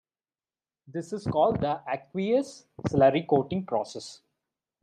This is called the aqueous slurry-coating process.